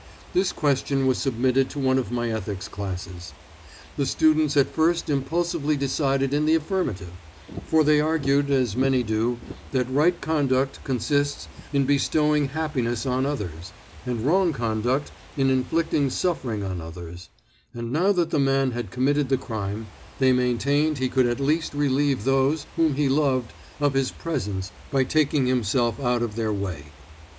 This question was submitted to one of my Ethics classes. The students at first impulsively decided in the affirmative, for they argued, as many do, that right conduct consists in bestowing happiness on others, and wrong conduct in inflicting suffering on others; and now that the man had committed the crime, they maintained he could at least relieve those whom he loved of his presence by taking himself out of their way.